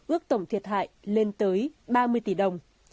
ước tổng thiệt hại lên tới ba mươi tỷ đồng